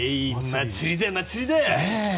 祭りだ祭りだ！